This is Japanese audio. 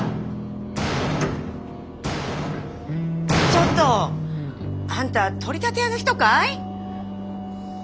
ちょっとあんた取り立て屋の人かい？